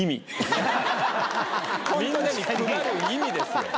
みんなに配る意味ですよ。